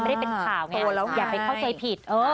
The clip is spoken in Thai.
ไม่ได้เป็นข่าวไงอยากให้เข้าใจผิด